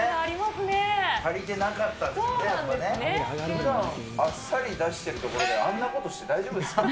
ふだんあっさり出してるところであんなことして大丈夫ですか？